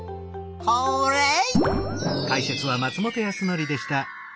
ホーレイ！